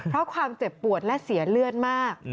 เพราะความเจ็บปวดและเสียเลือดมาก